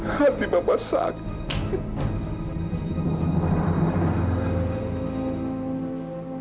hati bapak sakit